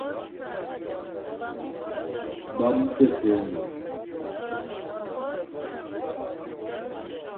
Bâm tə̂ sɛ́ nwə á.